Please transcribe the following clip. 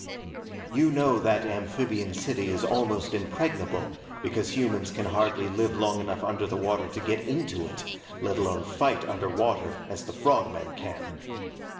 "You know that amphibian city is almost impregnable because humans can hardly live long enough under the water to get into it, let alone fight under water as the frog men can.